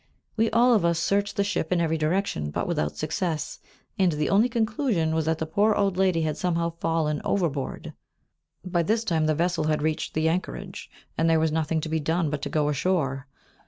We all of us searched the ship in every direction, but without success, and the only conclusion was that the poor old lady had somehow fallen overboard. By this time the vessel had reached the anchorage, and there was nothing to be done but to go ashore.